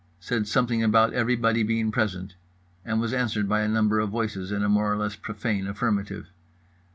Said something about everybody being present, and was answered by a number of voices in a more or less profane affirmative.